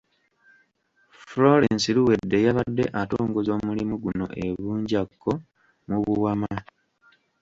Florence Luwedde yabadde atongoza omulimu guno e Bunjakko mu Buwama.